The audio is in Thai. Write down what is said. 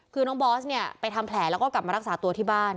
คือน้องบอสเนี่ยไปทำแผลแล้วก็กลับมารักษาตัวที่บ้าน